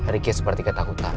riki seperti ketakutan